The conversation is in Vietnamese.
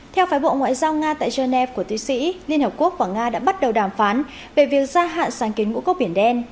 theo phái bộ ngoại giao nga tại geneva của thụy sĩ liên hợp quốc và nga đã bắt đầu đàm phán về việc gia hạn sáng kiến ngũ cốc biển đen